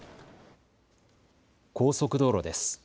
高速道路です。